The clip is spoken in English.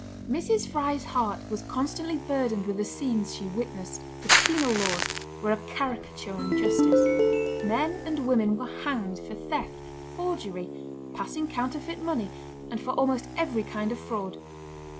Mrs. Fry's heart was constantly burdened with the scenes she witnessed. The penal laws were a caricature on justice. Men and women were hanged for theft, forgery, passing counterfeit money, and for almost every kind of fraud.